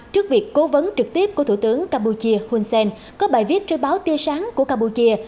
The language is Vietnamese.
trước việc cố vấn trực tiếp của thủ tướng campuchia hun sen có bài viết trên báo tia sáng của campuchia